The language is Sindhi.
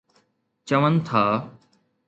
چون ٿا.